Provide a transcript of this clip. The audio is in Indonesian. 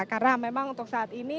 karena memang untuk saat ini